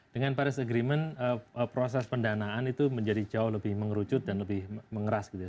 dengan paris agreement proses pendanaan itu menjadi jauh lebih mengerucut dan lebih mengeras gitu ya